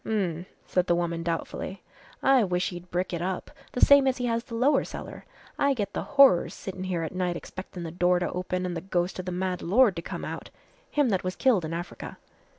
"H'm," said the woman doubtfully, "I wish he'd brick it up the same as he has the lower cellar I get the horrors sittin' here at night expectin' the door to open an' the ghost of the mad lord to come out him that was killed in Africa."